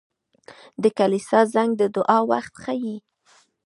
• د کلیسا زنګ د دعا وخت ښيي.